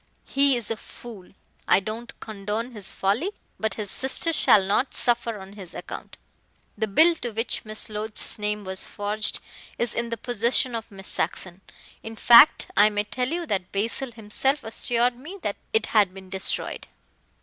"He is a fool. I don't condone his folly, but his sister shall not suffer on his account. The bill to which Miss Loach's name was forged is in the possession of Miss Saxon in fact I may tell you that Basil himself assured me it had been destroyed."